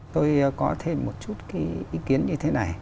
tôi có thêm một chút cái ý kiến như thế này